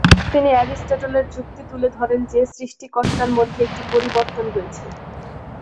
তিনি অ্যারিস্টটলের যুক্তি তুলে ধরেন যে, সৃষ্টিকর্তার মধ্যে একটি পরিবর্তন রয়েছে।